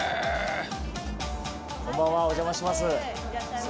お邪魔します。